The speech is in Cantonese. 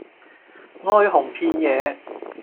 哀鴻遍野